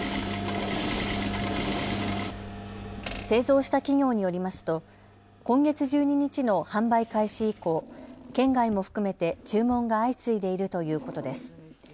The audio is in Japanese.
製造した企業によりますと今月１２日の販売開始以降、県外も含めて注文が相次いでいるということです。